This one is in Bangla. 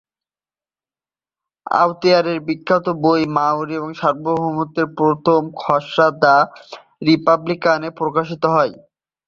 আওতেয়ারের বিখ্যাত বই মাওরি সার্বভৌমত্বের প্রথম খসড়া দ্য রিপাবলিকানে প্রকাশিত হয়।